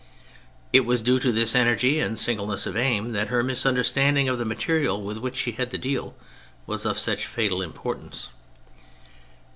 It was due to this energy and singleness of aim that her misunderstanding of the material with which she had to deal was of such fatal importance.